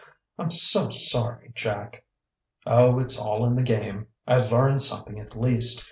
"I'm so sorry, Jack!" "Oh, it's all in the game. I learned something, at least.